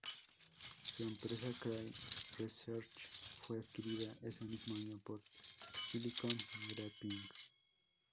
Su empresa, Cray Research, fue adquirida ese mismo año por Silicon Graphics.